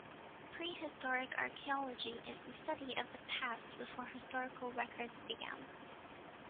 Prehistoric archaeology is the study of the past before historical records began.